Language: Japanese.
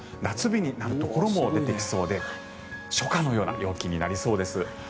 夏日になるところも出てきそうで初夏のような陽気になりそうです。